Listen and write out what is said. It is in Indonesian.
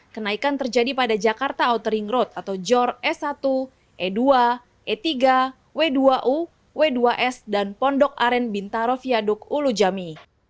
kenaikan terjadi pada jakarta outering road atau jor s satu e dua e tiga w dua u w dua s dan pondok aren bintaroviaduk ulujami